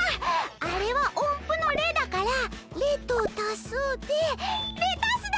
あれはおんぷの「レ」だから「レ」と「たす」でレタスだ！